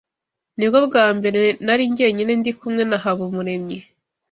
Nibwo bwa mbere nari jyenyine ndi kumwe na Habumuremyi